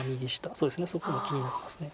そうですねそこも気になります。